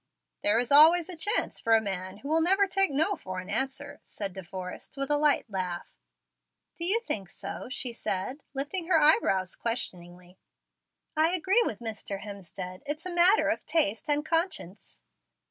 "There is always a chance for a man who will never take 'no' for an answer," said De Forrest with a light laugh. "Do you think so?" she said, lifting her eyebrows questioningly. "I agree with Mr. Hemstead. It's a matter of taste and conscience."